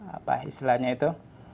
apa istilahnya itu